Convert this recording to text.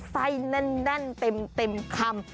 ไส้แน่นเต็มคำ